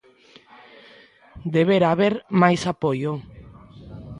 Debera haber máis apoio.